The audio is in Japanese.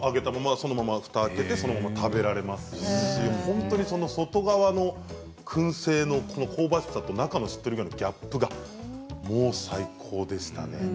ふたを開けてそのまま食べられますし外側のくん製の香ばしさと中がしっとりのギャップがもう最高でしたね。